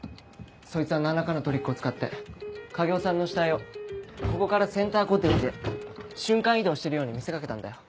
そいつは何らかのトリックを使って影尾さんの死体をここからセンターコテージへ瞬間移動してるように見せ掛けたんだよ。